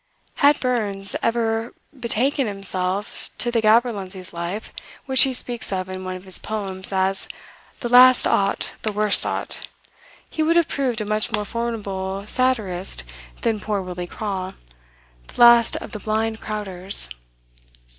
Had Burns ever betaken himself to the gaberlunzie's life, which he speaks of in one of his poems as "the last o't, the worst o't," he would have proved a much more formidable satirist than poor Willie Craw, the last of the "blind crowders."